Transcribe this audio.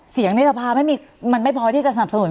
เสียงนกฐานิทยาภาพมันไม่พอที่จะสนับสนุน